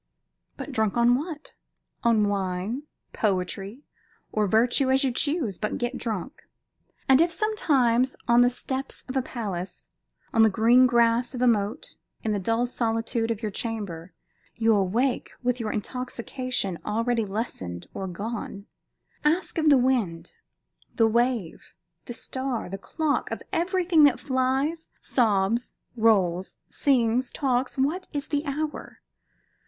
But drunk on what? On wine, poetry, or virtue, as you choose. But get drunk. And if sometimes, on the steps of a palace, on the green grass of a moat, in the dull solitude of your chamber, you awake with your intoxication already lessened or gone, ask of the wind, the wave, the star, the clock, of everything that flies, sobs, rolls, sings, talks, what is the hour?